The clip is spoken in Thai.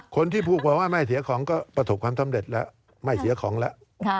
คนที่พูดมาว่าไม่เสียของก็ประสบความสำเร็จแล้วไม่เสียของแล้ว